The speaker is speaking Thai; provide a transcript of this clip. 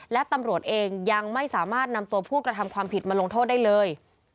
และตำรวจเองยังไม่สามารถนำตัวผู้กระทำความผิดมาลงโทษได้เลย